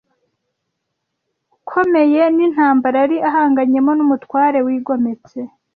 komeye n’intambara yari ahanganyemo n’umutware wigometse